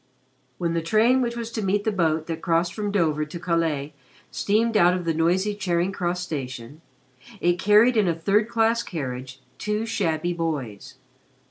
When the train which was to meet the boat that crossed from Dover to Calais steamed out of the noisy Charing Cross Station, it carried in a third class carriage two shabby boys.